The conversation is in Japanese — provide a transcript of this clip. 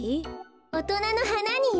おとなのはなによ。